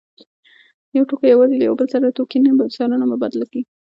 یو توکی یوازې له یو بل توکي سره نه مبادله کېده